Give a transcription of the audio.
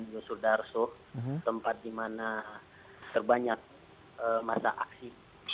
terus dari tempat yang terbanyak masa aksi